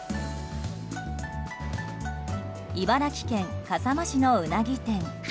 茨城県笠間市のウナギ店。